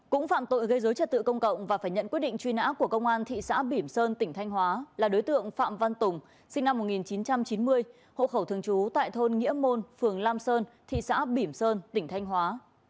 cũng phạm tội gây dối trật tự công cộng và phải nhận quyết định truy nã của công an thị xã bỉm sơn tỉnh thanh hóa là đối tượng phạm văn tùng sinh năm một nghìn chín trăm chín mươi hộ khẩu thường trú tại thôn nghĩa môn phường lam sơn thị xã bỉm sơn tỉnh thanh hóa